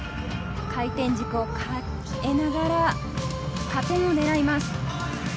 回転軸を変えながら加点を狙います。